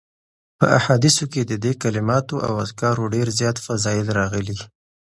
په احاديثو کي د دي کلماتو او اذکارو ډير زیات فضائل راغلي